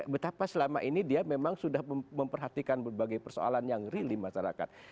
betapa selama ini dia memang sudah memperhatikan berbagai persoalan yang real di masyarakat